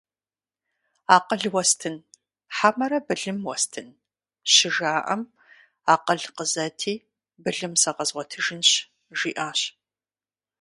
«Акъыл уэстын, хьэмэрэ былым уэстын?» - щыжаӀэм, «Акъыл къызэти, былым сэ къэзгъуэтыжынщ», - жиӀащ.